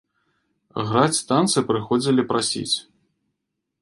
Граць танцы прыходзілі прасіць.